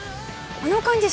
あの感じ